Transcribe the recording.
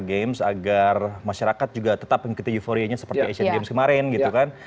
games agar masyarakat juga tetap mengikuti euforianya seperti asian games kemarin gitu kan